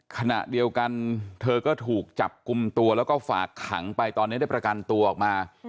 ขณะเดียวกันเธอก็ถูกจับกลุ่มตัวแล้วก็ฝากขังไปตอนนี้ได้ประกันตัวออกมา